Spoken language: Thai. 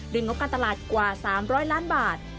งบการตลาดกว่า๓๐๐ล้านบาท